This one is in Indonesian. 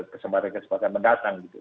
kesempatan kesempatan mendatang gitu